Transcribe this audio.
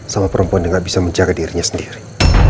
sama perempuan yang gak bisa menjaga dirinya sendiri